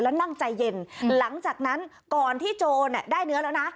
แล้วนั่งใจเย็นหลังจากนั้นก่อนที่โจรได้เนื้อแล้วนะ